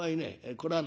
これはな